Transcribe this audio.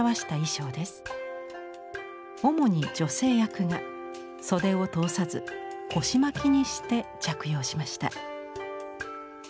主に女性役が袖を通さず腰巻きにして着用しました。